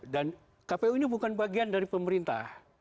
dan kpu ini bukan bagian dari pemerintah